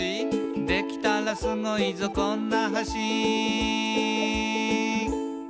「できたらスゴいぞこんな橋」